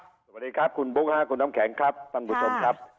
สวัสดีครับคุณบุ๊คคุณน้ำแข็งครับท่านผู้ชมครับ